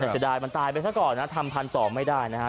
สุดท้ายมันตายไปซะก่อนนะทำพันธุ์ต่อไม่ได้นะฮะ